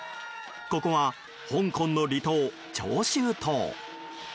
ここは香港の離島、長洲島。